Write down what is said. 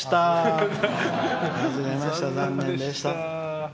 外れました、残念でした。